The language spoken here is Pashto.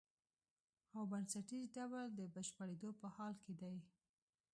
او بنسټیز ډول د بشپړېدو په حال کې دی.